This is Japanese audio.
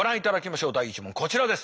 第１問こちらです。